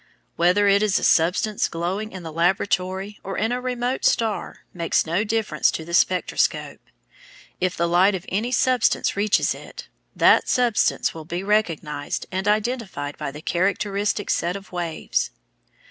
Whether it is a substance glowing in the laboratory or in a remote star makes no difference to the spectroscope; if the light of any substance reaches it, that substance will be recognised and identified by the characteristic set of waves.